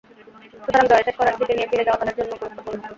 সুতরাং জয়ে শেষ করার স্মৃতি নিয়ে ফিরে যাওয়া তাদের জন্য গুরুত্বপূর্ণ।